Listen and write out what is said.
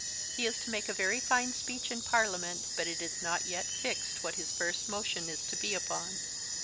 He is to make a very fine Speech in Parliament, but it is not yet Fixed what his First Motion is to be upon.